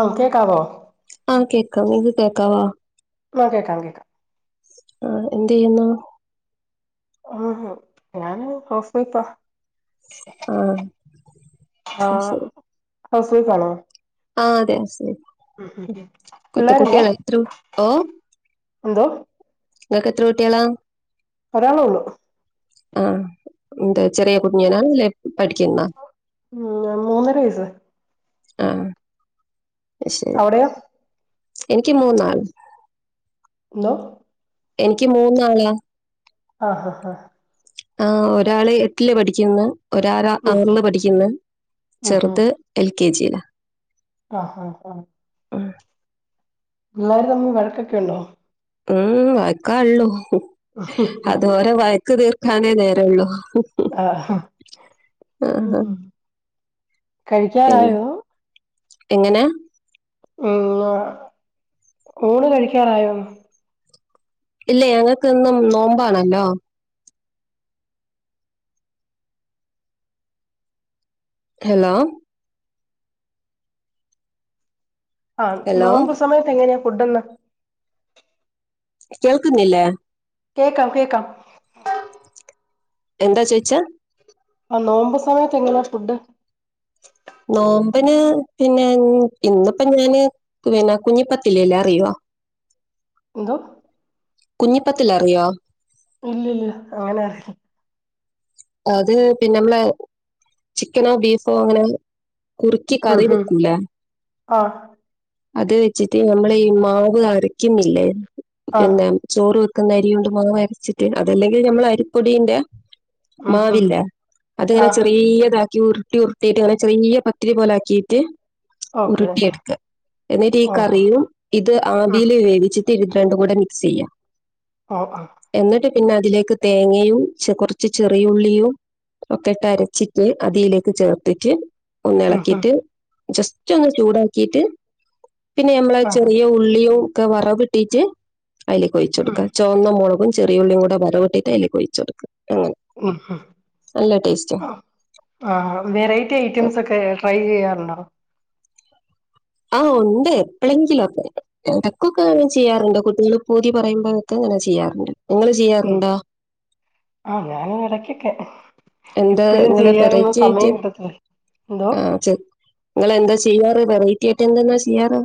ആ കേക്കാവോ ആഹ് കേക്ക ഇത് കേക്കവാ ആ കേക്കാം കേക്കാം ആഹ എന്ത് ചെയ്യുന്നു ആ ഞാന് ഹൗസ് വൈഫാ ആഹ ശരി അസുഖ കാണോ ആഹ അതെ ശരി കുത്ത പിള്ളേരില്ലേ കുട്ടിയള ഇ ഓ എന്തോ നിങ്ങൾക്ക് എത്ര കൂട്ടികളാം ഒളേ ഉള്ളു ആഹ ഇ ചെറിയ കുഞ്ഞിയനാല്ല ഉം മൂന്നര വയസ് ആഹ് അവിടെയോ എനിക്ക് മൂന്നാൾ എന്നോ എനിക്ക് മൂന്നാളാ ആഹ് ആഹ് ആഹ ആ ഒരാള് എട്ടില് പഠിക്കന്ന് ഒരാരാ ഉം ആറിില് പഠിക്കുന്ന ഉം ഉം ചെറുത് എൽ കെ ജിയില ആഹ് ആഹ് ആഹ് ആഹ് എള്ളാവരും തമ്മി വഴക്കൊക്കെ ഉണ്ടോ ഉം വയക്കാുള്ളൂ അതുോരെ വയക്ക തീർക്കാനേ നേരള്ളു ആഹ് ആഹ ആ ഉം പിന്നെ കഴിക്കാറായോ എങ്ങനെ ഉ ഊണ് കഴിക്കാറായോ ഇല്ലേ ഞങ്ങൾക്ക്ൊന്നും നോമ്പാണല്ലോ ഹലോ ആഹ ഹലോ നോമ്പ് സമയത്ത് എങ്ങനെയാ ഫുഡന്ന് കേൾക്കുന്നില്ലേ കേക്കാം കേക്കാം എന്താ ചേയ്ച്ചാ ആ നോമ്പ് സമയത്ത് എങ്ങനാ ഫുഡ് നോമ്പന് പിന്നെ ഇന്നിപ്പ ഞാന് പിന്നെ കുഞ്ഞിപ്പത്തില്ലല്ലേ അറിയുവ എന്തോ കുഞ്ഞിപ്പത്തിൽ അറിയോ ഇല്ല ഇല്ല അങ്ങനെറി അത് പിന്നെ മ്മളെ ചിക്കനോ ബീഫോ അങ്ങനെ കുറുക്കി കറി വെക്കൂല ആ അത് വെച്ചിട്ട് നമ്മള ഈ മാവ് അരയ്ക്കുന്നില്ലേ ആഹ് ചോറ് ക്കുന്ന അരി കൊണ്ട് മാ വരച്ചിട്ട് അതല്ലെങ്കിൽ നമ്മൾ അരിപ്പൊടിന്റെ ഉം ഉം മാവില്ല അത്ങ്ങനെ ആഹ് ചെറിയത ഉരുട്ടി ഉരുട്ടിയിട്ട് അങ്ങനെ ചെറിയ പത്തിരി പോലാക്കിയിട്ട് ഓക്കെ ആഹ് ഉരുട്ടിയെടുക്ക എന്നിട്ട് ഈ ഓഹ് കറിയും ഇത് ഉം ആവിൽ വേവിച്ചിട്ട് ഇത് രണ്ട കൂടെ മിക്സ് ചെയ്യാം ഹ ആ പിന്നെ അതിലേക്ക് തേങ്ങയും കുറച്ച് ചെറിയ ഉുള്ളിയും ഒക്കട്ടരച്ചിട്ട് അതിയിലേക്ക് ചേർത്തിട്ട് ഒന്ന് ഉം ഉം ഇളക്കിട്ട് ജസ്റ്റ് ഒന്ന് ചൂടാക്കിട്ട് പിന്നെ നമ്മള ആഹ് ചെറിയ ഉള്ളിയും ഒക്കെ വറവ ഇട്ടിട്ട് അതിലേക്ക് ഒഴിച്ച ഉം കൊടുക്കുക ചുവന്ന മുളകും ചെറിയുള്ളിയുടെ കൂടെ വരവട്ടിട്ട അയ്ലേക് ഒഴിച്ച കൊടുക്കും ഉം ഹും ടേസ്റ്റും ആ വെറൈറ്റി ഐറ്റംസ് ഒക്കെ ട്രൈ ചെയ്യാറുണ്ടോ ആ ഉണ്ട് എപ്പോഴെങ്കിലൊക്കെ ഇടക്കൊക്കെ ചെയ്യാറുണ്ട് കുട്ടികൾ പൂതി പറയുമ്പോഴക്കെ ചെയ്യാറുണ്ട് നിങ്ങൾ ഉ ചെയ്യാറുണ്ടോ ആ ഞാൻ ഇടക്കൊക്കെ എന്താ എപ്പഴും ഇങ്ങെ ചെയ്യാനൊന്നും വെറൈറ്റി സമയം ആയിട്ട് കിട്ടത്തില്ല എന്തോ ആ ചെ നിങ്ങളെന്താ ചെയ്യാറ് വെറൈറ്റി ആയിട്ട് എന്തന്നാ ചെയ്യാറ്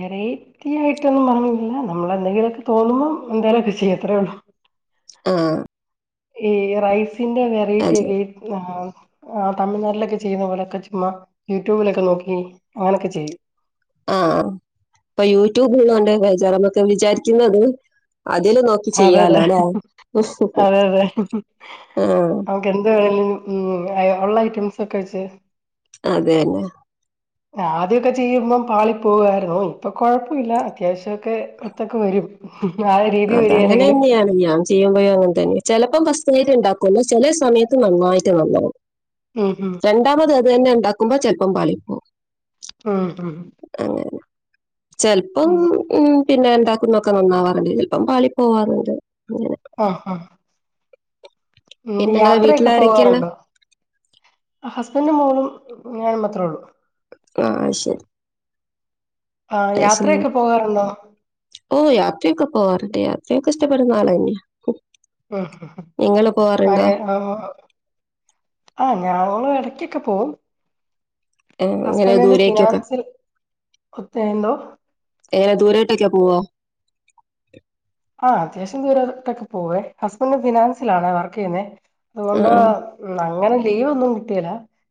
വെറൈറ്റി ആയിട്ടൊന്നും പറഞ്ഞില്ല നമ്മള എന്തെങ്കിലുമൊക്കെ തോന്നുമ്പോ എന്തോലൊക്കെ ചെയ്യത്രേ ഉള്ളൂ ആ ഏ റൈസിന്റെ വെറൈറ്റി അതെ. ഒക്കെ ആ ആ തമിഴ്നാട്ടിലൊക്കെ ചെയ്യുന്ന പോലെൊക്കെ ചുമ്മാ യൂട്യൂബിലൊക്കെ നോക്കി അങ്ങനെയൊക്കെ ചെയും. ആ ഇപ്പൊ യൂട്യൂബ്ള്ളണ്ട് വചറമൊക്കെ വിചാരിക്കുന്നത്. അതില് നോക്കി അതെ അതെ ചെയ്യാല്ലേ അതെ അതെ നമുക്ക് എന്ത് വേണും ഉ ഉള്ള ഐറ്റംസ് ക്കേ വെച്ച് അതന്നെ ആദ്യമൊക്കെ ചെയ്യുമ്പം പാളി പോകായിരുന്നു ഇപ്പൊ കൊഴപ്പ ഇല്ല അത്യാവശ്യം ഒക്കെ ഒത്തൊക്കെ വരും ആ രീതി അത അങ്ങനെ വരികേലെങ്കിലും തന്നെയാണ് ഞാൻ ചെയ്യുമ്പോഴോ അങ്ങനെ തന്നെയ ചിലപ്പഫസ്റ്റ് ഉണ്ടാക്കല്ല ചില സമയത്ത് നന്നായിട്ട് നന്നാണ് ഉം രണ്ടാമത് അത് തന്നെ ഉണ്ടാക്കുമ്പോ ചെപ്പം പളി പോകും ആ ആ ചെിലപ്പം ഉ പിന്നെ എന്താക്കുന്നൊക്കെ നന്നാവാറുണ്ട് ചിലപ്പം പാളി പോവാറുണ്ട്. ആ ഹ ഹ ഉം പിന്നെ ഇങ്ങളെ യാത്രയൊക്കെ വീട്ടിലാരൊക്കെള്ളെ? പോവാറുണ്ടോ ആ ഹസ്ബൻഡ്റെ മോളും ഞാൻ മാത്രേ ഉള്ളൂ ആ ശരി ആഹ് [unintelligible] യാത്രയൊക്കെ പോകാറുണ്ടോ? ഓ യാത്രക്കേ പോവാറുണ്ട് യാത്ര യാത്രയൊക്കെ ഇഷ്ടപ്പെടുന്ന ആൾ തന്നെ ഹും ഹു ആരെ ആ ആ ആഹ ഞ ഇടക്കൊക്കെ പോകവും ഏഹ് ഇങ്ങനെ ഹസ്ബൻഡന്റെ ദൂരേക്കൊക്കെ? ഫിനാൻസിൽ ഒത്ത എന്തോ ഏറെ ദൂരമായിട്ടൊക്കെ പോവ ആ് അത്യാവശ്യംൂരത്തൊക്കെ പോേ ഹസ്ബൻഡ് ഫിനാൻസില ആാണ് വർക്ക് ചെയ്യുന്നത് അതുകൊണ്ട് ആഹ് അങ്ങനെ ലീവ് ഒന്നും കിട്ടില്ല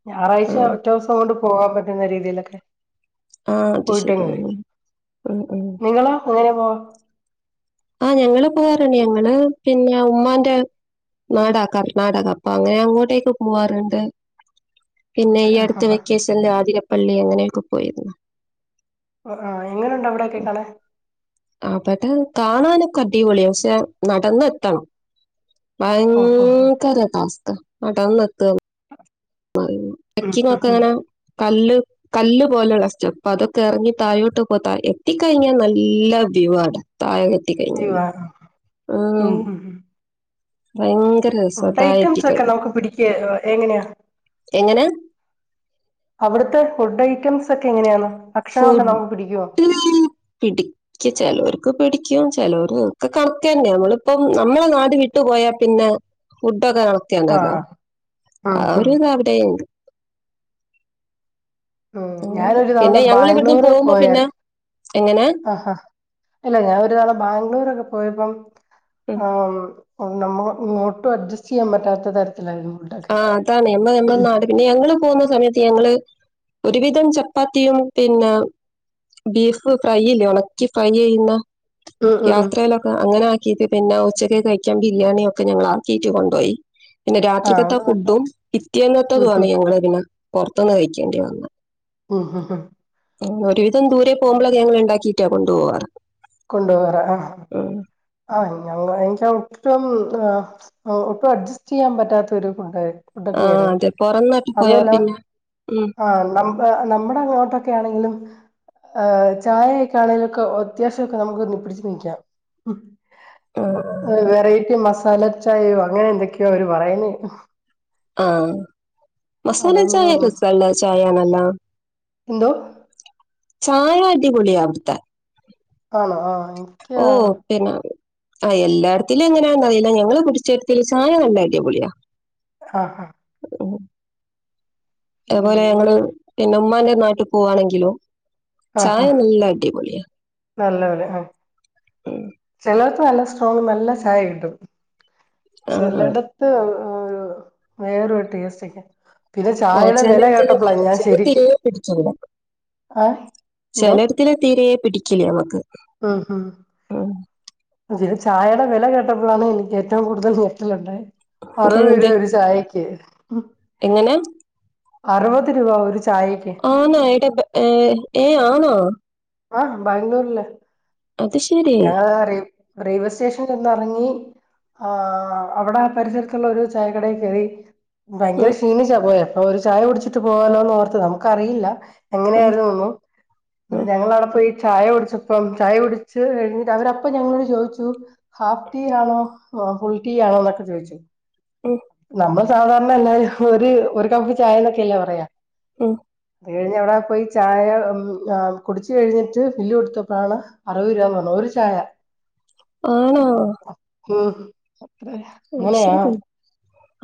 ഞായറാഴ്ച ആഹ് ആഹ് ഒറ്റ ദിവസം കൊണ്ട് പറ്റുന്ന രീതിയിലൊക്കെ ആഹ് അത് ശരി പോയിട്ടങ്ങ വര ഉം ഉം നിങ്ങ എങ്ങനെ പോവാ ആഹ് ഞങ്ങള് പോവാറണ്ട് ഞങ്ങള് പിന്നെ ഉമ്മാന്റെ ണാടക കർണാടക അപ്പൊ അങ്ങനെ അങ്ങോട്ടേക്കെ പോവാറുണ്ട് പിന്നെ ഓക്കെ ഈ അടുത്ത് ആഹ് വെക്കേഷന്റെ ആതിരപ്പള്ളി അങ്ങനെയൊക്കെ പോയിരുന്നു ആഹ് എങ്ങനെുണ്ട അവിടെൊക്കെ കാണെ അപ്പട്ട് കാണാനൊക്കെ അടിപൊളി പക്ഷെ നടന്നെത്തണം ഓഹ് ഓഹ് ഭയങ്കര താസ് അന്ന് എത്ത ഉം തക്കി ഉം ഉം നോക്കങ്ങനെ കല്ല് കല്ല് പോലെയുള്ളറ്റം അപ്പൊ അതൊക്കെ ഇറങ്ങി താഴോട്ട് പോ എത്തിക്കഴിഞ്ഞാൽ നല്ല വ്യൂ ആാണ് താഴെ കെത്തി കഴിഞ്ഞല് ലീവാ ഉ ഉം ഉം ഉം ഭയങ്കര രസാ ഫുഡ് ഐറ്റംസ് താഴെത്തിക്കാൻ ഒക്കെ നമുക്ക് പിടിക്ക എങ്ങനെയാ എങ്ങനെ അവിടുത്തെ ഫുഡ് ഐറ്റംസ് ഒക്കെ എങ്ങനെയാണ് ഭക്ഷണൊക്കെ നമുക്ക് പിടിക്കുവോ ഫുഡ് പിടിക്ക ചിലർക്ക് പിട ല ഒക്കെ കണക്ക തന്നെ നമ്മളിപ്പ നമ്മളെ നാട് വിട്ടു പോയാൽ പിന്നെ ഫ ൊക്കെ നടത്തിയണ്ടല്ലോ ആഹ് ആ ആഹ് ആഹ് ഒരുത് അവിടെ ഉണ്ട് ഉം അങ്ങനെ ഞാനരു പിന്നെ ഞങ്ങള് ബാംഗ്ല്ല ഇവിടുന്ന് പോകുമ്പോ പിന്നെ എങ്ങനെ ഞ ബാ് പോയപ്പം ഉം. ആ നമ്മ ഇങ്ങോട്ടും അഡ്ജസ്റ്റ് ചെയ്യാൻ പറ്റാത്ത തരത്തിലായിരുന്നു ഫുഡൊക്കെ ആ അതാണ് നമ്മ നമ്മടെ നാട് പിന്നെ ഞങ്ങള്ൾ പോകുന്ന സമയത്ത് ഞങ്ങള് ഒരുവിധം ചപ്പാത്തിയും പിന്നെ ബീഫ് ഫ്രൈ ഇല്ലേ ഉണക്കി ഫ്രൈ ചെയ്യുന്ന ഉം ഉം ഉം യാത്രയിലൊക്കെ അങ്ങനെ ആക്കീട്ട പിന്നെ ഉച്ചക്ക് കഴിക്കാൻ ബിരിയാണിയ ഒക്കെ ഞങ്ങൾ ആക്കീട്ട് കൊണ്ടുപോയി പിന്നെ രാത് ആഹ് അത് നല്ല ഫുഡും ഉം കത്തിയന്നത്തതുമാണ് ഉം ഞങ്ങള ഇതിന് പുറത്തുന്ന് കഴിക്കേണ്ടി വന്നത് ഉം ഉ ഒരുവിധം ദൂരെേ പോകുമ്പോള ങ്ങൾ ഉണ്ടാക്കിയിട്ടാ കൊണ്ടുപ പോവാറ് കൊണ്ടപകരാ ആ ആ ഞ എനക്ക് ഒട്ടും ഒട്ടും അഡ്ജസ്റ്റ് ചെയ്യാൻ പറ്റാത്ത ഒരു കുുണ്ട ആ ഉണ്ടൊക്കെയ ആായിരുന്നു അതെ പുറം നാട്ടിൽ പോയാ അതുമല്ല പിന്നെ ഉം ആഹ നമ്മ നമ്മുടെ അങ്ങോട്ടൊക്കെ ആണെങ്കിലും ആ ചായയൊക്കാ ആണെങ്കലൊക്കെ അത്യാവശ്യമൊക്കെ നമുക്ക്ന്ന്ി പിടിച്ചച്ച് നീക്കാം ആ വെറൈറ്റി മസാല ചായയോ അങ്ങനെ എന്തൊക്കെയോ അവര് പറയണ ആഹ മസാല അതൊന്നും ചായയക്കസല്ല ചായയാണല്ലോ എന്ത ചായ അടിപൊളിയ അവിടുത്ത ആണോ ആ എനിക്ക് ആ ഓക്കെ നാ ആഹ്ല്ലാടരത്തിലും എങ്ങനാന്ന അറിയില്ല ഞങ്ങള്ൾ പിടിച്ചെടുത്തി ചാ നല്ലായില്ല പൊളിയാ ആഹ ആഹ അതുപോലെ ഉം ഞങ്ങള് പിന്ന ഉമ്മാന്റെ നാട്ടിൽ പോവാണെങ്കിലോ ചായ നല്ല അി പോൊളിയ നല്ലവല ആ ചിലർക്ക് നല്ല സ്ട്രോങ് നല്ല ചായ കിട്ടും ആഹ് ചിലടത്ത് ഒരു വേറട്ട്സ്റ്റക്ക പിന്നെ ആഹ് ചായയുടെ വില ചെലതില് കേട്ടപ്പളാ ഞാൻ ചെല ശക്ക് തീരെ ആഹ ചലത്തിെ തീരയെ പിടിക്കലേ നമക്ക് ഉം ഉം ഉ ചായയുടെ വില കേട്ടപ്പോഴാണ് എനിക്ക് ഏറ്റവും കൂടുതൽ നേട്ടലുണ്ടായെ അറുപത് രൂപ അതെന്തേ ഒരു ചായക്ക് എങ്ങനെ അറുപത് രൂപ ഒരു ചായക്ക് ആണ ട്ട ഏ ഏ ആണോ ആഹ ബാംഗ്ലൂര്ല്ലേ അത് ശരി റെയിൽവേ സ്റ്റേഷനിൽ ഒന്ന് ഇറങ്ങി ആ അവിടെ പരിസരത്തുള്ള ഒരു ചായക്കട കെറി ഭയങ്കര ഉം ക്ഷീണിച്ചാ പോയ അപ്പൊ ഒരു ചായ കുടിച്ചിട്ട് പോകാലോന്ന് ഓർത്ത് നമുക്കറിയില്ല ഉം എങ്ങനെയായിരുന്നു തോന്നുന്നു ഉം ഞങ്ങള് അവിടെ പോയി ചായ കുടിച്ചപ്പം ചായ കുടി ച്ച് കഴിഞ്ഞിട്ട് അവരപ്പൊ ഞങ്ങളോട് ചോദിച്ചു. ഹാഫ് ടീ ആണോ ഫുൾ ടീ ആണോ എന്നൊക്കെ ചോദിച്ചു. ഉം നമ്മൾ സാധാരണ എല്ലാരും ഒരു ഒരു കപ്പ് ചായന്നൊക്കെല്ലേ പറയാ. ഉം അതുകഴിഞ്ഞ് അവിടെ പോയി ചായ കുടിച്ച് കഴിഞ്ഞിട്ട് ബില്ല് കൊടുത്തപ്പളാണ്. അറുപത് രൂപ പറഞ്ഞു ഒരു ചായ ആണോ ഉം അത്ര അത് അങ്ങനെയാ. ശെരി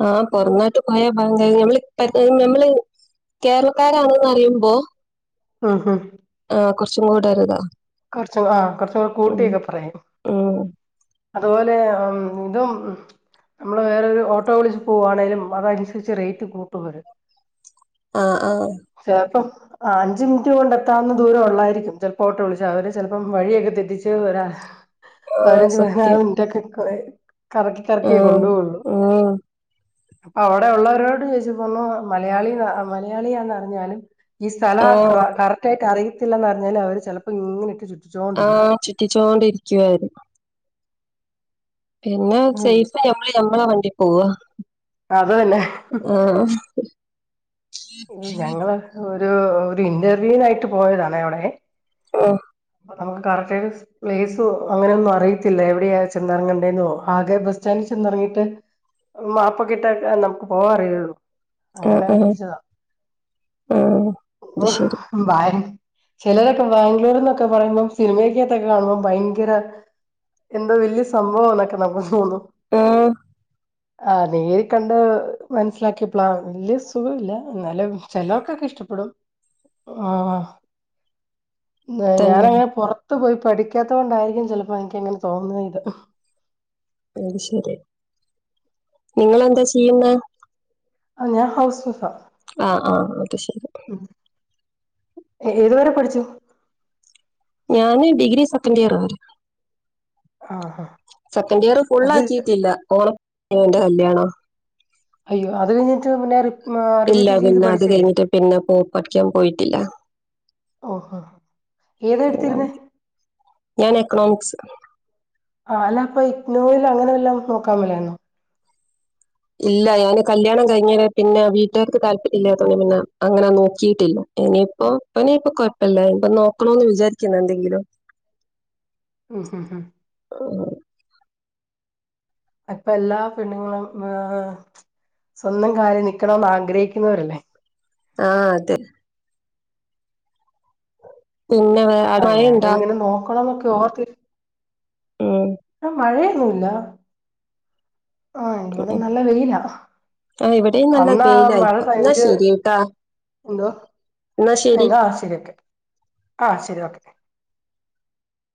ആഹ് പോറ ങ്ങോട്ട്പോയാ പങ്കയങ്ങള് നമ്മള് കേരളക്കാരാണെന്നറിയുമ്പോ. ഉം ആഹ് കൊറച്ചും കൂടെ ഒരിതാ കൊറച്ച് ആഹ് കൊറച്ച് കൂടെ ഉം കൂട്ടിയൊക്കെ പറയും ഉം അതുപോലെ ആഹ് ഇതും. നമ്മള് വേറൊരു ഓട്ടോ വിളിച്ച് പോകുവാണെലും അതനുസരിച്ച് റേറ്റ് കൂട്ടും ഇവര് ആഹ് ആഹ് ആഹ് അഞ്ച് മിനിറ്റ് കൊണ്ട് എത്താവുന്ന ദൂരം ഉള്ളായിരിക്കും ചിലപ്പോ ഓട്ടോ വിളിച്ച്. അവര് ചിലപ്പം വഴിയൊക്കെ തെറ്റിച്ച് വരാ ആഹ് പതിനഞ്ച് പതിനാല് സത്യം മിനിറ്റൊക്കെ എടുക്കു കറക്കി കറക്കിയേ ആഹ് കൊണ്ടോവൊള്ളു. ഉം അപ്പൊ അവിടെ ഉള്ളവരോട് ചോദിച്ചപ്പോ ഒന്ന് മലയാളി മലയാളിയാന്നറിഞ്ഞാലും. ഈ സ്ഥലം ആഹ് ക്ര കറക്റ്റ് ആയിട്ട് അറിയത്തില്ലന്നറിഞ്ഞാല് അവര് ചിലപ്പോ ഇങ്ങനെയിട്ട് ചുറ്റി ആഹ് ചുറ്റിച്ചോണ്ടിരിക്കും അവര്. പിന്നെ സേഫായി ഞമ്മള് ഞമ്മളെ വണ്ടി പോവാ. അത് തന്നെ ആഹ് ഓ ഞങ്ങള് ഒരു ഒരു ഇന്റർവ്യൂനായിട്ട് പോയതാണെ അവിടെ ഓഹ് അപ്പൊ നമുക്ക് കറക്റ്റ് പ്ലേസോ അങ്ങനെ ഒന്നും അറിയത്തില്ല. എവിടെയ ചെന്നിറങ്ങണ്ടെന്നോ ആകെ ബസ്റ്റാൻഡ് ചെന്നിറങ്ങിട്ട് മാപ്പൊക്കിട്ട് നമുക്ക് പോവാൻ അറിയുള്ളൂ. ആഹ് അങ്ങനെ ആഹ് പിടിച്ചതാ ആഹ് അത് ഓഹ് ശരി ഭാര് ചിലരൊക്കെ ബാംഗ്ലൂർ ന്നൊക്കെ പറയുമ്പോം സിനിമക്കകത്തൊക്കെ കാണുമ്പോ ഭയങ്കര എന്തോ വലിയ സംഭവാന്നൊക്കെ നമുക്ക് തോന്നും. ആഹ് ആഹ് നേരി കണ്ട് ഏഹ് മനസ്സിലാക്കിയ്പ്പ്ള വല്യ സുഖവില്ല എന്നാലും ചെലവൊക്കെ കി ഇഷ്ടപ്പെടും ആഹ് ന്നെ തന്നെ ഞാനങ്ങനെ പൊറത്തു പോയ് പഠിക്കാത്ത കൊണ്ടായിരിക്കും ചെലപ്പോ എനിക്കങ്ങനെ തോന്നുന്നി ഇത് അത് ശരി നിങ്ങളെന്താ ചെയ്യുന്നെ ആഹ ഞാൻ ഹൗസ് വൈഫാ ആഹ് ആഹ് അത് ശരി ഏതുവരെ പഠിച്ചു ഞാന് ഡിഗ്രി സെക്കൻഡ് ഇയർ വര് ആ ആ സെക്കൻ് ഇയർ ഫുൾ അത് ആക്കിട്ടില്ല ഓണന്റെ കല്യാണോ അയ്യോ അത് കഴിഞ്ഞിട്ട്ന്നേ ഇല്ല പിന്നെ അത് കഴിഞ്ഞിട്ട് പിന്നെ പോ പഠിക്കാൻ പോയിട്ടില്ല ഓഹോ ഏതാ എടുത്തിരുന്നേ ഞാൻ എക്കണോമിക്സ് ആഹ് അല്ല അപ്പൊ ഇക്ക്നൂൽ അങ്ങനെ വല്ലോം നോക്കാൻമേലെന്നോ ഇല്ല ഞാൻ കല്യാണം കഴിഞ്ഞത് പിന്നെ വീട്ടുകാർക്ക് താല്പര്യല്ലാത്തോണ്ട് പിന്നെ അങ്ങനെ നോക്കീട്ടില്ല ഇനിയിപ്പോ ഇനിയിപ്പൊ കൊഴപ്പല്ല ഇപ്പ നോക്കണന്ന് വിചാരിക്കുന്ന് എന്തെങ്കിലും ഉം ഉം ഉം ഉം അപ്പൊ എല്ലാ പെണ്ണുങ്ങളും ഏ സ്വന്തം കാര്യം നിക്കണോന്ന് ആഗ്രഹിക്കുന്നവരില്ലേ ആഹ് അതെ പിന്നെ വേ അവിടെ ആഹ് ഞാനും മഴയുണ്ടാ? ഇങ്ങനെ നോക്കണന്നൊക്കെ ഓർത്തി ഉം ആഹ് മഴയൊന്നൂല്ല ആഹ് ഇവിടെ ഉം നല്ല വെയിലാ ആഹ് ഇവിടേം നല്ല അന്നാ മഴ വെയ്ലായിപ്പോ എന്നാ സഹിച്ച് ശരിട്ടാ എന്തോ എന്നാ ശരി. ന്താ ആവശ്യല്ലക്കെ ആഹ് ശരി ഓക്കെ